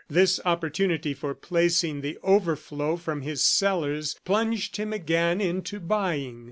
This opportunity for placing the overflow from his cellars plunged him again into buying.